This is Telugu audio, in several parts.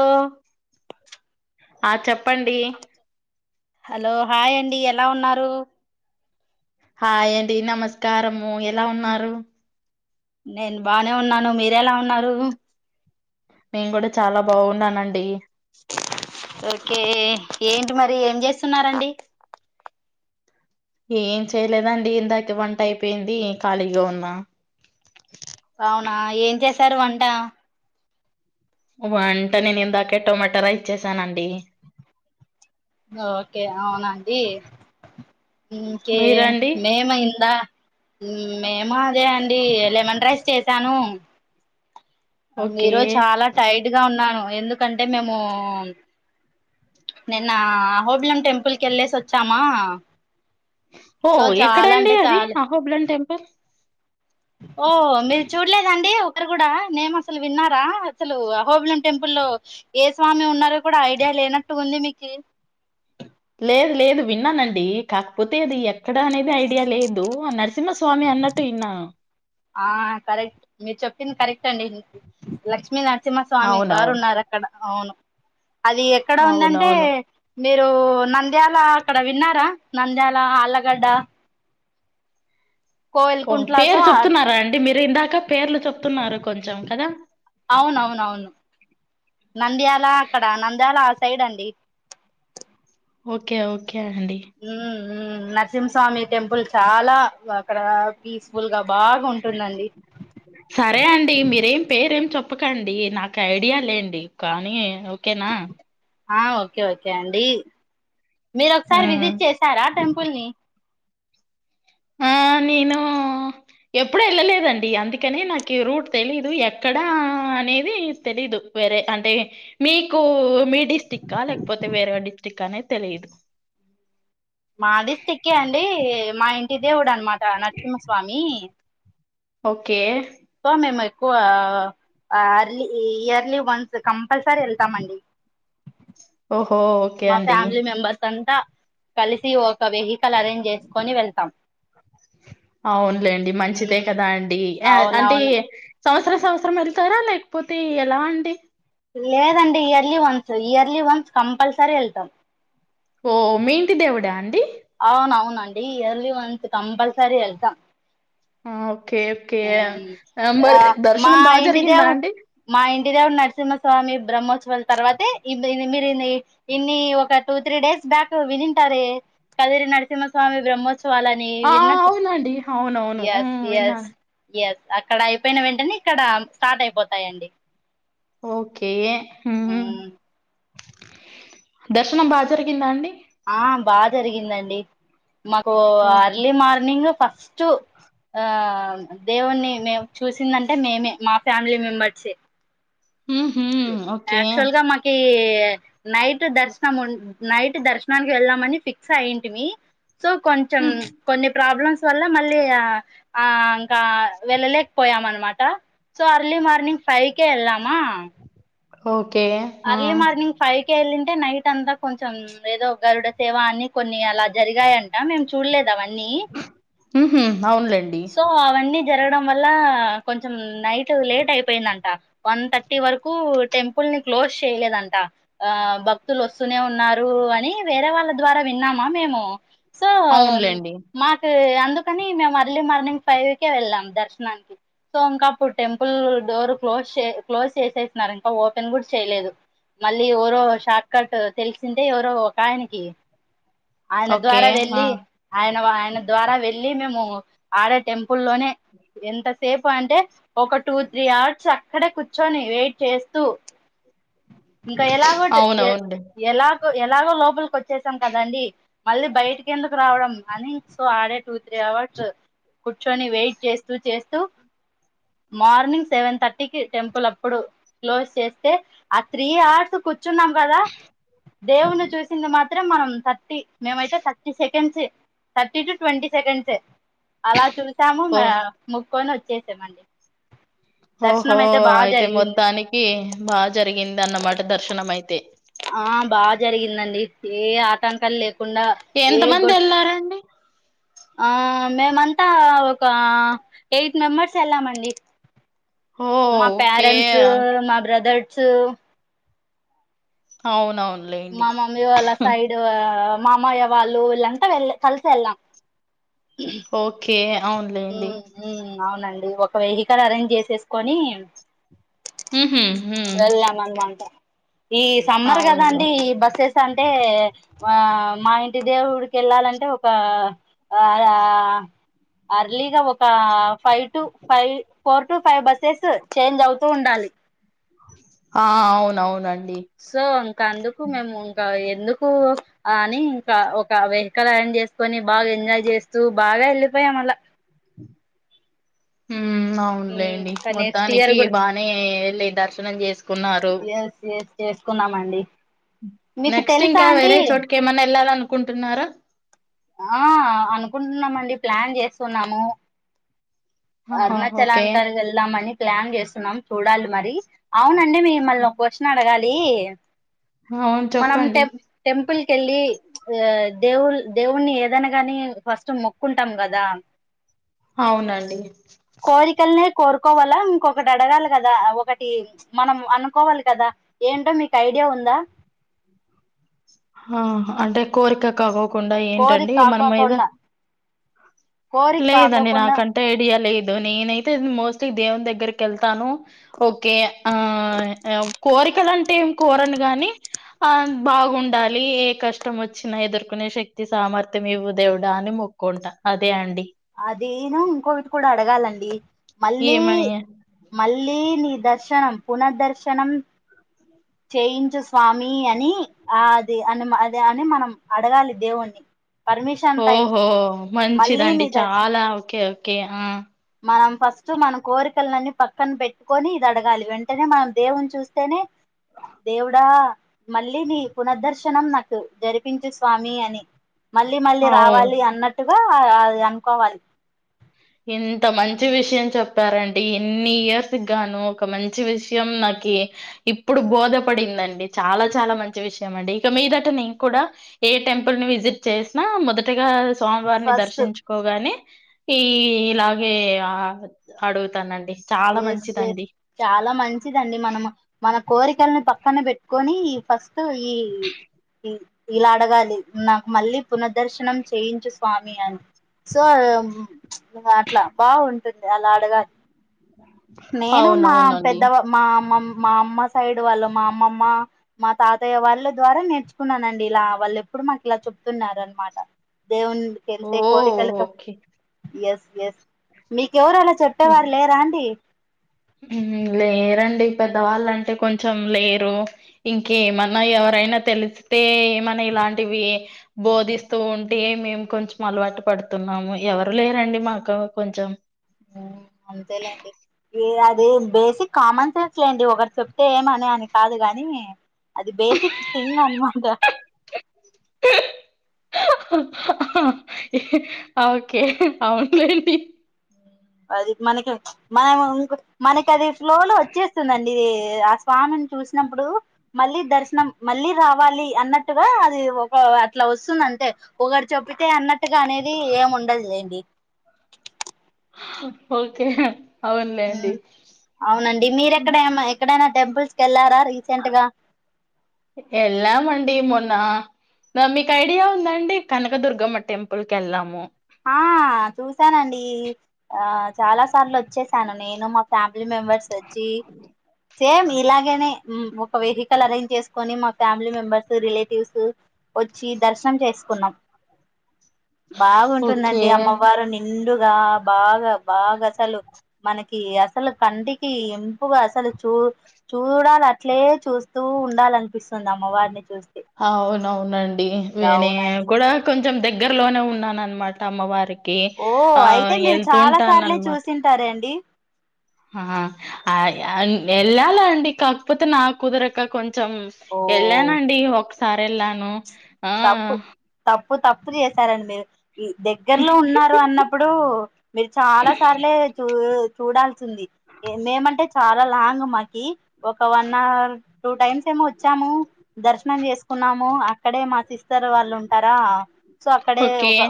ఆ ఆ చెప్పండి హలో హాయ్ అండి ఎలా ఉన్నారు హాయండి నమస్కారము ఎలా ఉన్నారు నేను బానే ఉన్నాను మీర ఎలా ఉన్నారు నేను కూడా చాలా బాగున్నానండి ఓకే ఏంటి మరి ఏం చేస్తున్నండి ఏం చేయలేదండి ఇందాక వంట అయిపోయింది ఖాళీగా ఉన్నా అవునా ఏం చేసారు వంట అంట నేను ఇందాకే టొమాటా రైస్ చేశానండి ఓకే అవునండి ఇంకే మీరండి మేమైంద? మేం అదే అండి లెమన్ రైస్ చేసాను. ఓకే ఈరోజు చాలా టైడ్ గా ఉన్నాను, ఎందుకంటే మేము. నిన్న అహోబిలం టెంపుల్కి ఎల్లేసి వచ్చామా. ఓ సో చాలా ఎక్కడండి అంటే అది చాలా అహోబిలం టెంపుల్? ఓ మీరు చూడలేదండి! [unintelligible] కూడా నేమ్ అసలు విన్నారా! అసలు అహోబిలం టెంపుల్ లో ఏ స్వామి ఉన్నారో కూడా ఐడియా లే. లేనట్టు ఉంది మీకీ. [inaudible] లేదు, లేదు విన్నానండి కాకపోతే అది ఎక్కడ అనేది ఐడియా లేదు నర్. సింహ స్వామి అన్నట్టు ఇనాను. ఆ కరెక్ట్ మీరు చెప్పింది కరెక్ట్ అండి. లక్ష్మీ నరసింహ స్వామి వారు అవునవును ఉన్నారు, అక్కడ అవును. అది ఎక్కడ ఉందంటే. అవునవును మీరు నంద్యాల అక్కడ విన్నారా? నంద్యాల, ఆళ్లగడ్డ. కోవెల్ ఓ కుంట్లా సో పేరు చెప్తున్నారా అండి, మీరు ఇందాక పేర్లు చెప్తున్నారు కొంచెం కదా! అవునవును నంద్యాల అక్కడ నంద్యాల ఆ సైడ్ అండి. ఓకే ఓకే అండి ఉ నరసింమ్మ్ స్వామి టెంపుల్ చాలా అక్కడ పీస్ఫుల్ గా. బాగా ఉంటుందండి సరే అండి మీరేం పేరు ఏం చెప్. ప్పకండి నాకు ఐడియా లేండి కానీ ఓకేనా. ఆ ఓకే, ఓకే అండి మీరు ఆ ఒకసారి విజిట్ చేసారా. ఆ టెంపుల్ ని, ఆ నేను ఎప్పుడ వెళ్ళలేదండి, అందుకనే నాకు రూట్ తెలీదు ఎక్కడా అనేది తెలీదు. వేరే అంటే మీకు మీ డిస్టిక్ ఆ లేకపోతే వేరే డిస్టిక్ అనేది తెలిదు. [inaudible] మా డిస్టిక్ ఏ అండి, మా ఇంటి దేవుడు అనమాట నరసింహస్వామి. ఓకే సో మేము ఎక్కువ అర్లీ ఇయర్లీ వన్స్ కంపల్సరీ వెళ్తామండి. [inaudible] ఓకే మా అండి ఫ్యామిలీ మేంబర్స్ అంతా. కలిసి ఒక వెహికల్ అరేంజ్ జేసుకొని వెళ్తాం. అవునులేండి మంచిదే ఉమ్, కదాండి య అంటే అవునవును సంవత్సరం, సంవత్సరం వెళ్తారా లేకపోతే ఎలా అండి? లేదండి yearly once, yearly once compulsory వెళ్తాం ఓ మీ ఇంటి దేవుడా అండి? అవునవునండి ఇయర్లీ వన్స్ కంపల్సరీ వెళ్తాం. ఆ ఓకే ఓకే ఆ మరి మా దర్శనం బాగా ఇంటి జరిగిందా దేవుడు అండి? మా ఇంటి దేవుడు నరసింహస్వామి బ్రహ్మోత్స. వాల తర్వాతే [unintelligible] మీరు [unintelligible] ఇన్ని ఒక two, three days back వినింటారే? [inaudible] Kadiri Narasimhaswamy బ్రహ్మోత్సవాలనీ ఆ విన్నట్టు అవునండి అవునవును ఎస్, ఉమ్ ఎస్. విన్నాను ఎస్ అక్కడ అయిపోయిన వెంటనే, ఇక్కడ స్టార్ట్ అయిపోతాయండి. ఓకే హు, హు దర్శనం బాజరిగిందా అండి. ఆ బాజరిగిందండి మాకు ఓ అర్లీ మార్నింగ్ ఫస్ట్. ఆ దేవుణ్ణి మేమ్ చూసిందంటే, మేమే మా ఫ్యామిలీ మెంబర్సే. ఉహు ఒకే కే నైట్ దర్శనముం, నైట్ దర్శనానికి వెళ్దామని ఫిక్స్ అయ్యింటిమి. సో కొంచెం ఉమ్ కొన్ని ప్రాబ్లమ్స్ వల్ల మళ్ళీ ఆ, ఆ. కా వెళ్ళలేక పోయామన్మాట, సో అర్లీ మార్నింగ్ ఫైవ్కే వెళ్ళామా! ఓ అర్లీ మార్నింగ్ ఫైవ్ వెళ్ళింటే నైట్ అంతా కొంచెం ఏదో గరుడ సేవ అన్ని కొన్ని అలా జరిగాయంట మేము చూడలేదు అవన్నీ ఎన్ని ఉహు అవునులేండి సో అవన్నీ జరగడం వల్ల కొంచెం నైట్ లేట్ అయిపోయిందంట వన్ థర్టీ వరకు టెంపుల్ని క్లోజ్ చేయలేదంట ఆ భక్తులు వస్తూనే ఉన్నారు అని వేరే వాళ్ళ ద్వారా విన్నామా మేము సో అవునులేండి మాకు అందుకని మేము అర్లీ మార్నింగ్ ఫైవ్ కే వెళ్ళాం దర్శనానికి సో ఇంకా అప్పుడు టెంపుల్ డోర్ క్లోజ్ చే క్లోజ్ చేసేస్తున్నారు ఇంకా ఓపెన్ కూడా చేయలేదు మళ్ళీ ఎవరో షార్ట్ కట్ తెలిసిందే ఎవరో ఒక ఆయనకి ఆయన ఓకే ద్వారా ఆ వెళ్లి ఆయన ఆయన ద్వారా వెళ్లి మేము ఆడే టెంపుల్ లోనే ఎంతసేపు అంటే ఒక టూ త్రీ అవర్స్ అక్కడే కూర్చొని వెయిట్ చేస్తూ ఇంకా ఎలాగో అవునవునులే ఎలాగో ఎలాగో లోపలికి వచ్చేసాం కదండి మళ్ళీ బయటికి ఎందుకు రావడం అని సో ఆడే టూ త్రీ అవర్స్ కూర్చొని వెయిట్ చేస్తూ చేస్తూ మార్నింగ్ సెవెన్ థర్టీకి టెంపుల్ అప్పుడు క్లోజ్ చేస్తే ఆ త్రీ అవర్స్ కూర్చున్నాం కదా దేవుణ్ణ చూసింది మాత్రం మనం థర్టీ మేమైతే thirty seconds thirty to twenty seconds అలా చూసి చుసాము ఓ మోక్కోని వచ్చేసామండి ఓహో దర్శనం బాగా అయితే జరిగింది మొత్తానికి బాగా జరిగింది అన్నమాట దర్శనం అయితే ఆ బాగా జరిగిందండి ఏ ఆటంకాలు లేకుండా ఎంత ఏ మంది గొడ్ వెళ్ళారండి ఆ మేమంతా ఒక ఎయిట్ మెంబర్స్ వెళ్ళామండి ఓ మా ఓకే పేరెంట్స్ ఓకే. మా బ్రదర్స్ అవునవును మా మమ్మీ వాళ్ళ సైడ్ మామయ్య వాళ్ళు ఇళ్ళంతా వెళ్ కలిసి వెళ్ళాం ఓకే అవునులేండి అవునండి ఒక వెహికల్ అరేంజ్ చేసేసుకొని హూ హమ్ వెళ్ళాం అన్నమాట ఈ సమ్మర్ కదా అవునులే అండి ఈ బస్ అంటే ఆ మా ఇంటి దేవుడికి వెళ్ళాలంటే ఒక ఆ అర్లీగా ఒక five to five four to five buses change అవుతూ ఉండాలి ఆ అవునవునండి సో ఇంకా అందుకు మేము ఇంకా ఎందుకు అని ఇంకా ఒక వెహికల్ అర్రంజ్ చేసుకొని బాగా ఎంజాయ్ చేస్తూ బాగా వెళ్ళిపో పోయామల అ ఉం అవునులేండి ఇంకా నెక్స్ట్ ఇయర్ మొత్తానికి కూడా బానే వెళ్ళి దర్శనం చేసుకున్నారు ఎస్ ఎస్ చేసుకున్నామండి మీకు నెక్స్ట్ తెలుసా ఇంకా అండి వేరే చోటుకి ఏమన్నా వెళ్ళాల అనుకుంటున్నారా ఆ అనుకుంటున్నామండి ప్లాన్ చేస్తున్నాము ఆహా అరుణాచల ఓకే కని వెల్దా మనీ ప్లాన్ చేస్తున్నాం చూడాలి మరి అవునండి మిమ్మల్ని ఒక క్వశ్చన్ అడగాలి అవును మనం చెప్పండి టె టెంపుల్ కెళ్ళి ఆ దేవు దేవుని ఏదైనా గాని ఫస్ట్ మొక్కుంటాం కదా అవునండి కోరికల్నే కోరుకోవాలా ఇంకొకటి అడగాలి కదా ఒకటి మనం అనుకోవాలి కదా ఏంటో మీకు ఐడి ఐడియా ఉందా ఆ అంటే కోరిక కాగోకుండా కోరిక ఏంటండి మనం ఏద కాకోకుండా కోరిక లేదండి కాకోకుండా నాకు అంటే ఐడియా లేదు నేనైతే మోస్టలీ దేవుని దగ్గరకి వెళ్తాను ఓకే ఆ కోర్ కోరికలు అంటే ఏం కోరను గాని ఆ బాగుండాలి ఏ కష్టం వచ్చినా ఎదుర్కొనే శక్తి వ్యతి సామర్థ్యం ఇవ్వు దేవుడా అని మొక్కుంటా అదే అండి అది ను ఇంకోకటి కూడా అడగాలండి మళ్ళీ ఏమని మళ్ళీ నీ ద ర్శనం పునః దర్శనం చేయించు స్వామి అని ఆ అది అని అది అని మనం అడగాలి దేవుణ్ణి పర్మిషన్ టైప్ ఓహో మళ్ళీ నీ మంచిదండి దర్శనం చాలా ఓకే ఓకే ఆ మనం ఫస్ట్ మనం కోరికలన్ని పక్కన పెట్టుకొని ఇది అడగాలి వెంటనే మనం దేవుని చూస్తేనే దేవుడా మళ్ళీ నీ పునః దర్శనం నాకు జరిపించు స్వామి అని మళ్ళీ మళ్ళీ అవును రావాలి అన్నట్టుగా ఆ అది అనుకోవాలి ఎంత మంచి విషయం చెప్పారండి ఎన్ని ఇయర్స్ గాను ఒక మంచి విషయం నా కి ఇప్పుడు బోధపడిందండి చాలా చాలా మంచి విషయం అండి ఇక మీదట నేం కూడా ఏ టెంపుల్ ని విజిట్ చేసినా మొదటగాస్ సోమివారిని ఫస్ట్ దర్శించుకోగానే ఈ ఇలాగే అడుగుతానండి చాలా వేస్తే మంచిదండి చాలా మంచిదండి మనం మన కోరికలని పక్కన పెట్టుకొని ఫస్ట్ ఈ ఈ ఇలా అడగాలి నాకు మళ్ళీ పునదర్శనం చేయించు స్వామి అని సో అట్లా బాగుంటుంది అలా అడగాలి నేను మా అవునవునండి పెద్దవా మా మామ్ మా అమ్మ సైడ్ వాళ్ళ మా అమ్మమ్మ మా తాతయ్య వాళ్ళ ద్వారా నేర్చుకున్నానండి ఇలా వాళ్ళు ఎప్పుడు ఇప్పుడు మాకు ఇలా చెప్తున్నారు అనమాట దేవుని ఓ కెలుతే కోరికలతో ఓకే ఎస్ ఎస్ మీ ఎవరు అలా చెప్పేవారు లేరా అండి ఉ లేరండి పెద్దవాళ్ళంటే కొంచెం లేరు ఇంకేమన్నా ఎవర కైనా తెలిస్తే ఏమనా ఇలాంటివి బోధిస్తూ ఉంటే మేం కొంచెం అలవాటు పడు పడుతున్నాము ఎవరు లేరండి మాకు కొంచెం దే బేసిక్ కామన్ సెన్స్ లేండి ఒకరు చెప్తే ఏమని అని కాదు గాని అది బేసిక్ థింగ్ అన్మాంట ఓకే అవునులేంటి అది మనకి మనం మనకి అది ఫ్లో లో వచ్చేస్తుందండి ఇది ఆ స్వామిని చూసినప్పుడు మళ్ళీ దర్శనం మళ్ళీ రావాలి అన్నట్టుగా అది ఒక అట్లా వస్తుతుంది అంతే ఒకరు చెబితే అన్న టుగా అనేది ఏం ఉండదు లేండి ఓకే ఉ అవునులేండి ఆ అవునండి మీరు ఎక్కడైనా మా ఎక్కడైనా టెంపుల్స్ కి వెళ్ళారా రీసెంట్ గా వెళ్ళమండి మొను దా మీకు ఐడియా ఉందండి కనకదుర్గమ్మ టెంపుల్ కి వెళ్ళాము ఆ చూసానండి ఆ చాలా సార్లు ఆ వచ్చేసాను నేను మా ఫ్యామిలీ మెంబర్స్ వచ్చి సేమ్ ఇలాగేనే ఒక వెహికల్ అరేంజ్ చేసుకొని మా ఫ్యామిలీ మెంబెర్స్ రిలేటివ్స్ వచ్చి దర్శనం చేసుకున్నాం బాగుంటుందండి ఓకే అమ్మవారు నిండుగా బాగా బాగా అసలు మనకి అసలు కంటికి పుగా అసలు చూ చూడాల అట్లే చూస్తూ ఉండాలనిపిస్తుంది అమ్మ వారిని చూసు అవునవునండి విని అవునండి కూడా కొం కొంచెం దగ్గరలోనే ఉన్నాన అనమాట అమ్మవారికి ఓ ఆ అయితే మీరు ఎల్తు చాలా ఉంటా సార్లే నన్మాట చూసింటారండి ఆ అయి అయి వెళ్ళాల అండి కాకపోతే నా కుదరక కొంచెం కొంచం ఓ వెళ్ళానండి ఒకసారి వెళ్ళాను ఆ తప్పు తప్పు తప్పు చేశారండి మీరు దగ్గరలో ఉన్నారు అన్నప్పుడు మీరు చాలా సార్లే చూ చూడాల్సింది మేమంటే చాలా లాంగ్ మాకి ఒక వన్ అవర్ టూ టైమ్స్ వచ్చాము దర్శనం చేసుకున్నాము అక్కడే మా సిస్టర్ వాళ్ళు ఉంటారా సో అక్కడే ఓకే. ఒక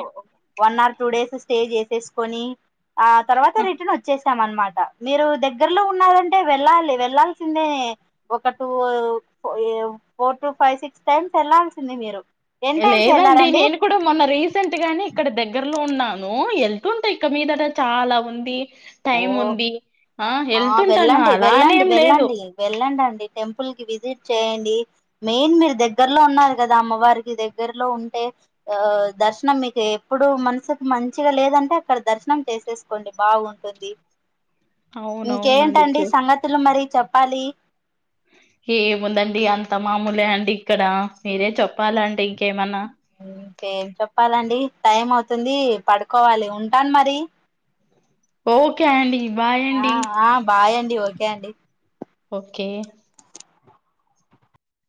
one hour two days stay చేసేసుకొని ఆ తర్వాత ఆ! రిటర్న్ వచ్చే అనమాట మీరు దగ్గరలో ఉన్నారంటే వెళ్ళాలి వెళ్లాాల్సిందే ఒక two four to five six times వెళ్లాల్సింది మీరు టెన్ టైమ్స్ లేదండి వెళ్ళారండి నేను కూడా మొన్న రీసెంట్ గాని ఇక్కడ దగ్గరలో ఉన్నాను ఎల్తుంటాయి ఇక్క మీదట చాలా ఉంది ఓ టైముంది. ఆ ఎళ్తుంటాను వెళ్ళండి అలా వెళ్ళండి అనేం లేదు. వెళ్ళండి వెళ్ళండి టెంపుల్ ల్ కి విజిట్ చేయండి మెయిన్ మీరు దగ్గరలో ఉన్నారు కదా అమ్మవారికి దగ్గరలో ఉంటే ఆ దర్శనం మీకు ఎప్పుడు మనసుకి మంచిగా లేదంటే అక్కడ దర్శనం చేసేసుకోండి బాగుంట అవునవునండి. ఇంకేంటండి చే సంగతులు మరి చెప్పాలి ఏముందండి అంత మామూలే అండి ఇక్కడ మీరే చెప్పాలండి ఇంకేమన్నా కం చెప్పాలండి టైం అవుతుంది పడుకోవాలి ఉంటాను మరి ఓకే అండి బాయ్ ఆ అండి ఆ బాయ్ అండి ఓకే అండి ఓకే